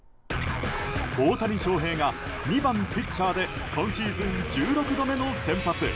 大谷翔平が２番ピッチャーで今シーズン１６度目の先発。